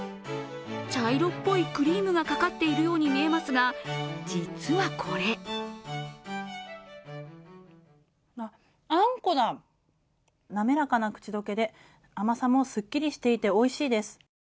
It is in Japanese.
茶色っぽいクリームがかかっているように見えますが実はこれあんこだ、滑らかな口溶けで甘さもすっきりしていておいしいです。